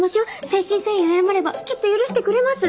誠心誠意謝ればきっと許してくれます。